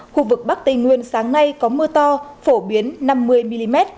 khu vực bắc tây nguyên sáng nay có mưa to phổ biến năm mươi mm